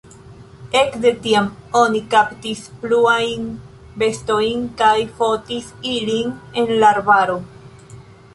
Ekde tiam oni kaptis pluajn bestojn kaj fotis ilin en la arbaro.